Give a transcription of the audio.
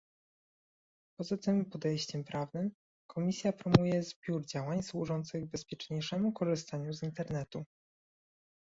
Poza tym podejściem prawnym, Komisja promuje zbiór działań służących bezpieczniejszemu korzystaniu z Internetu